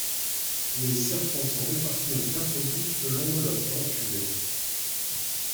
Les serpents sont répartis en quatre groupes selon leur denture.